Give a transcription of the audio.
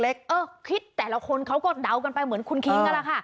เออคลิปแต่ละคนเขาก็เดากันไปเหมือนคุณคิงนั่นแหละค่ะ